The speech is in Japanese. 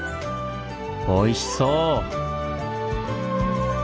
おいしそう！